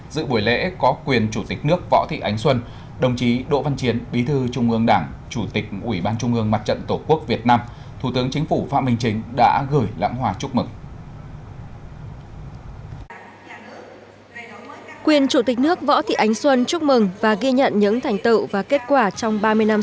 dự buổi lễ có quyền chủ tịch nước võ thị ánh xuân đồng chí đỗ văn chiến bí thư trung ương đảng chủ tịch ủy ban trung ương mặt trận tổ quốc việt nam thủ tướng chính phủ phạm minh chính đã gửi lãng hòa chúc mừng